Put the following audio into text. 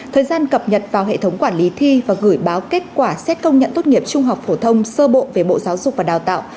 thời gian cập nhật vào hệ thống quản lý thi và gửi báo kết quả xét công nhận tốt nghiệp trung học phổ thông sơ bộ về bộ giáo dục và đào tạo